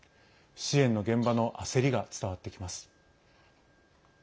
支援の現場の焦りが伝わってきます。